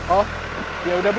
oh yaudah bu